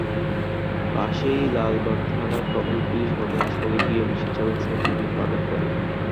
পাশেই লালবাগ থানার টহল পুলিশ ঘটনাস্থলে গিয়ে রিকশাচালকসহ তিনজনকে আটক করে।